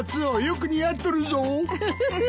よく似合っとるぞ。